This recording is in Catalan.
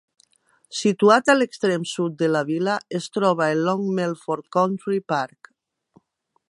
Situat a l'extrem sud de la vila, es troba el Long Melford Country Park.